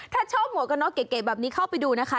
ถ้าชอบหมวกกันน็อกเก๋แบบนี้เข้าไปดูนะคะ